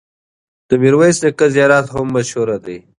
د میرویس نیکه زیارت هم مشهور دی.